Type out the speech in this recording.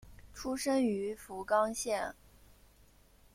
出身于福冈县。